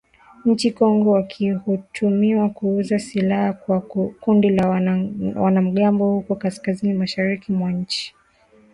nchini Kongo wakituhumiwa kuuza silaha kwa kundi la wanamgambo huko kaskazini-mashariki mwa nchi hiyo